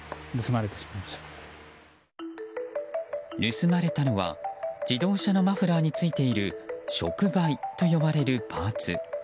盗まれたのは自動車のマフラーについている触媒と呼ばれるパーツ。